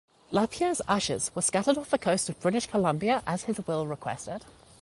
LaPierre's ashes were scattered off the coast of British Columbia, as his will requested.